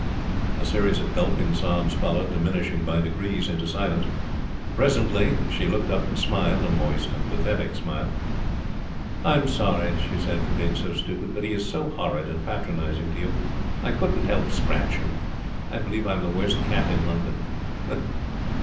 A series of gulping sobs followed, diminishing by degrees into silence. Presently she looked up and smiled, a moist and pathetic smile. 'I'm sorry,' she said, 'for being so stupid. But he was so horrid and patronizing to you, I couldn't help scratching. I believe I'm the worst cat in London.'